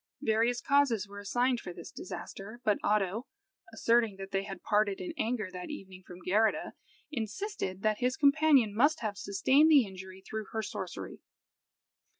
Various causes were assigned for this disaster; but Oddo, asserting that they had parted in anger that evening from Geirrida, insisted that his companion must have sustained the injury through her sorcery.